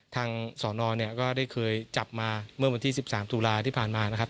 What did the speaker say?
สอนอเนี่ยก็ได้เคยจับมาเมื่อวันที่๑๓ตุลาที่ผ่านมานะครับ